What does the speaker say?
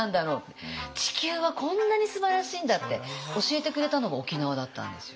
地球はこんなにすばらしいんだって教えてくれたのが沖縄だったんですよ。